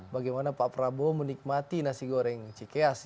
bagaimana pak prabowo menikmati nasi goreng cikeas